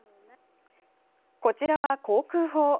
こちらは航空法。